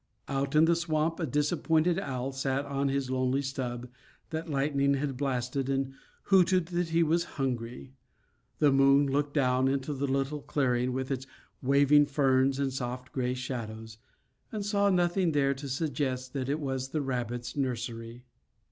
Out in the swamp a disappointed owl sat on his lonely stub that lightning had blasted, and hooted that he was hungry. The moon looked down into the little clearing with its waving ferns and soft gray shadows, and saw nothing there to suggest that it was the rabbits' nursery.